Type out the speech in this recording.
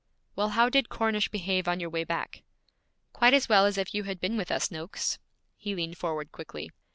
'Well, how did Cornish behave on your way back?' 'Quite as well as if you had been with us, Noakes.' He leaned forward quickly.